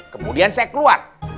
kemudian saya keluar